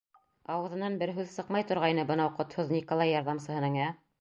Ауыҙынан бер һүҙ сыҡмай торғайны бынау ҡотһоҙ Николай ярҙамсыһының, ә?